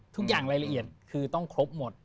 ทุกอย่างรายละเอียดคือต้องครบหมด